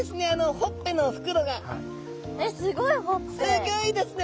すギョいですね